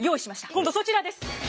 今度そちらです。